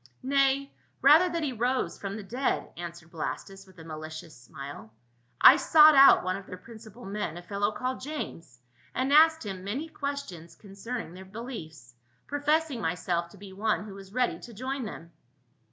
" Nay rather, that he arose from the dead," an swered Blastus with a malicious smile. " I sought out one of their principal men, a fellow called James, and asked him many questions concerning their be liefs, professing myself to be one who was ready to join them."